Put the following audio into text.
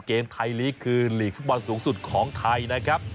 เกมไทยลีกคือลีกฟุตบอลสูงสุดของไทยนะครับ